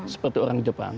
seperti orang jepang